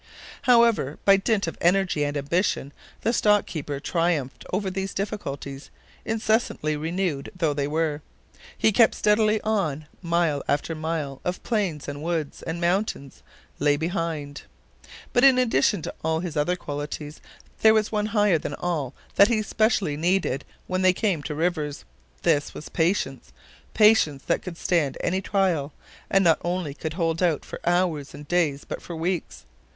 However, by dint of energy and ambition, the stock keeper triumphed over these difficulties, incessantly renewed though they were. He kept steadily on; mile after mile of plains and woods, and mountains, lay behind. But in addition to all his other qualities, there was one higher than all that he specially needed when they came to rivers. This was patience patience that could stand any trial, and not only could hold out for hours and days, but for weeks.